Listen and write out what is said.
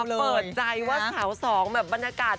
เลยแบบเปิดใจว่าขวาสองแบบบรรยากาศ